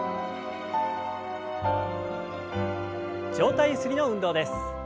上体ゆすりの運動です。